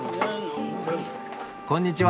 こんにちは。